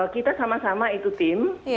kita sama sama ikut tim